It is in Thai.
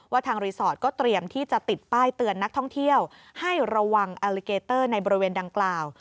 ทางรีสอร์ทก็เตรียมที่จะติดป้ายเตือนนักท่องเที่ยวให้ระวังอัลลิเกเตอร์ในบริเวณดังกล่าว